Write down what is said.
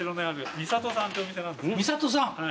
味里さん。